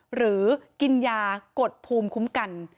หรือกินยากดภูมิคุ้มกัน